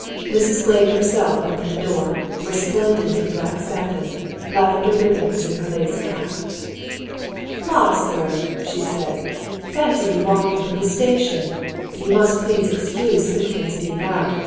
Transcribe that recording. Mrs. Blake herself opened the door, resplendent in black satin; lavender ribbons in her lace cap. "La, sir!" she said. "Fancy you walking from the station! You must please to excuse Simpkins being out.